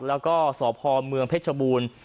แล้วก็สพเมืองเพชรบูรณ์